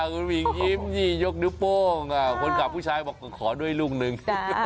คุณหญิงยิ้มยี่ยกนิ้วโป้งคนขับผู้ชายบอกขอด้วยลูกหนึ่ง